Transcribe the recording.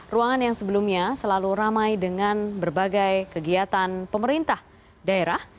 ruangan yang sebelumnya selalu ramai dengan berbagai kegiatan pemerintah daerah